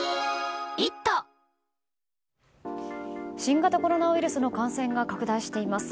新型コロナウイルスの感染が拡大しています。